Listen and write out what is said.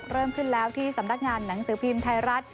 เริ่มขึ้นแล้วที่สำนักงานหนังสือพิมพ์ไทยรัฐ